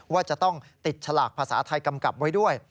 ว่าจะต้องติดฉลากภาษาไทยกำกับไว้ด้วย